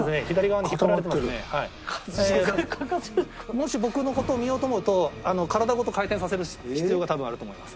もし僕の事を見ようと思うと体ごと回転させる必要が多分あると思います。